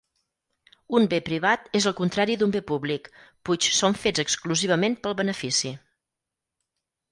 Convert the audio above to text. Un bé privat és el contrari d'un bé públic, puix són fets exclusivament pel benefici.